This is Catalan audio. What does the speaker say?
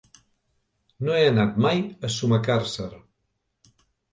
No he anat mai a Sumacàrcer.